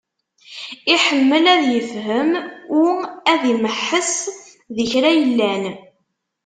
Iḥemmel ad yefhem u ad imeḥḥeṣ di kra yellan.